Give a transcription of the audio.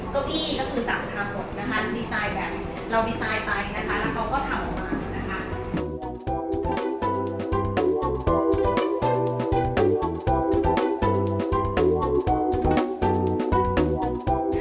เก้าอี้ก็คือสั่งทำหมดนะคะดีไซน์แบบเราดีไซน์ไปนะคะแล้วเขาก็ทำออกมานะคะ